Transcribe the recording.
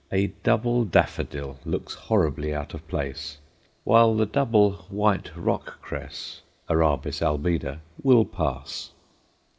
A double daffodil looks horribly out of place, while the double white rock cress (Arabis albida) will pass.